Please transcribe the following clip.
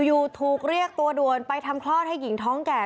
อยู่ถูกเรียกตัวด่วนไปทำคลอดให้หญิงท้องแก่